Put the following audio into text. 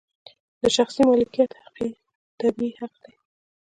د شخصي مالکیت حق طبیعي حق دی.